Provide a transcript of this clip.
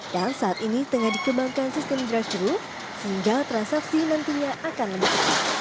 dan saat ini tengah dikembangkan sistem drive thru sehingga transaksi nantinya akan lemah